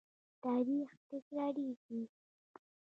تاریخ تکراریږي